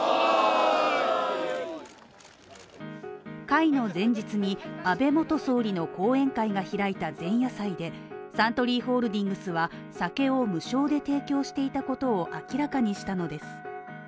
会の前日に、安倍元総理の後援会が開いた前夜祭でサントリーホールディングスは酒を無償で提供していたことを明らかにしたのです。